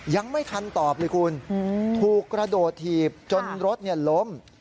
ยังไม่ทันตอบเลยคุณถูกกระโดดถีบจนรถล้ม